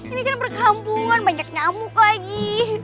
ini kan perkampungan banyak nyamuk lagi